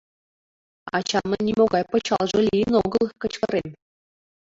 «Ачамын нимогай пычалже лийын огыл!» — кычкырем.